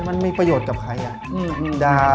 มันมีประโยชน์กับใครอ่ะ